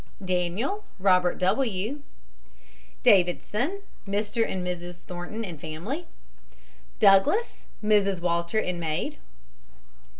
DANIEL, ROBERT W. DAVIDSON, MR. AND MRS. THORNTON, and family. DOUGLAS, MRS. WALTER, and maid.